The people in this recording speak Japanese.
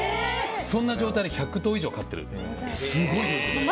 そんな状態で牛が１００頭以上いる。